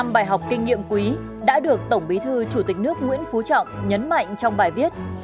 một mươi bài học kinh nghiệm quý đã được tổng bí thư chủ tịch nước nguyễn phú trọng nhấn mạnh trong bài viết